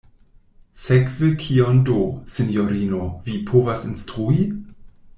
Sekve kion do, sinjorino, vi povas instrui?